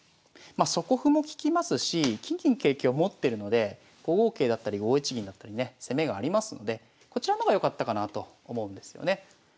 まあ底歩も利きますし金銀桂香持ってるので５五桂だったり５一銀だったりね攻めがありますのでこちらの方が良かったかなと思うんですよね。